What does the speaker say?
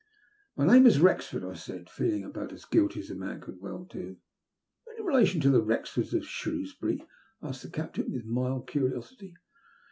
<< My name is Wrexford," I said, feeling about as guilty as a man could well do. " Any relation to the Wrexforda of Shrewsbuiy ?•• asked the Captain with mild curiosity.